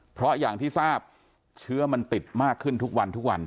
เพราะอย่างที่ทราบเชื้อมันติดมากขึ้นทุกวันทุกวัน